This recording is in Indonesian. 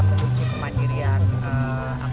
mengunci kemandirian energi